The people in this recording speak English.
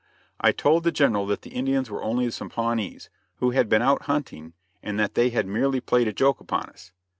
I told the General that the Indians were only some Pawnees, who had been out hunting and that they had merely played a joke upon us.